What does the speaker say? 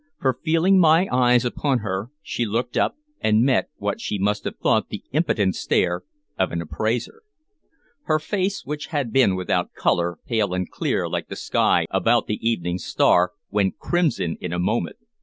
For, feeling my eyes upon her, she looked up and met what she must have thought the impudent stare of an appraiser. Her face, which had been without color, pale and clear like the sky about the evening star, went crimson in a moment.